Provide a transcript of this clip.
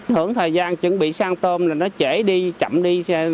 thưởng thời gian chuẩn bị sang tôm là nó chảy đi chậm đi